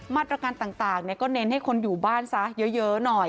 มาตรการต่างก็เน้นให้คนอยู่บ้านซะเยอะหน่อย